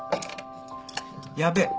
ヤベえ。